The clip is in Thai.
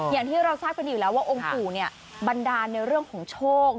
อย่างที่เราทราบกันอยู่แล้วว่าองค์ปู่เนี่ยบันดาลในเรื่องของโชค